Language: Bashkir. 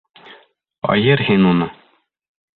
Айыр һин уны.